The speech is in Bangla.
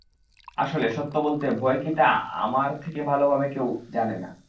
আসলে, সত্য বলতে, ভয় কি তা আমার থেকে ভালোমতো কেউ জানে না।